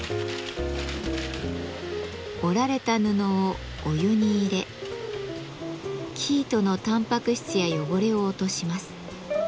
織られた布をお湯に入れ生糸のたんぱく質や汚れを落とします。